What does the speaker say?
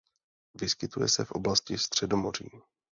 Vyskytuje se v oblasti Středomoří.